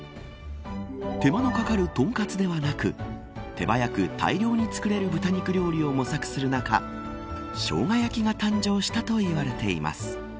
手間のかかる、とんかつではなく手早く大量に作れる豚肉料理を模索する中しょうが焼きが誕生したと言われています。